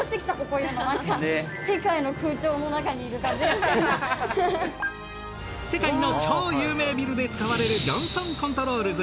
世界の超有名ビルで使われるジョンソンコントロールズ。